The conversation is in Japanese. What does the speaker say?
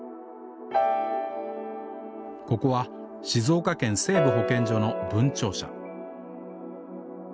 ここは静岡県西部保健所の分庁舎